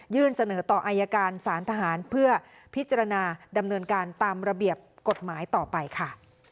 เสนอต่ออายการสารทหารเพื่อพิจารณาดำเนินการตามระเบียบกฎหมายต่อไปค่ะ